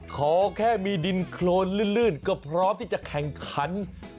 ขอแค่มีดินโครนลื่นก็พร้อมที่จะแข่งขัน